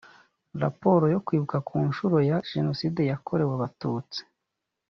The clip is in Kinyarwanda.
raporo yo kwibuka ku nshuro ya jenoside yakorewe abatutsi